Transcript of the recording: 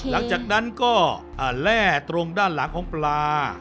หลังจากนั้นก็แร่ตรงด้านหลังของปลา